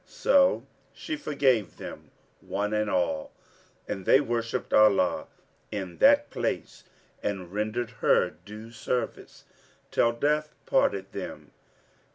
So she forgave them one and all, and they worshipped Allah in that place and rendered her due service, till Death parted them.